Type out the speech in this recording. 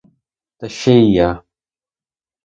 Та ще і я!